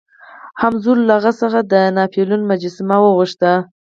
هولمز له هغه څخه د ناپلیون مجسمه وغوښته.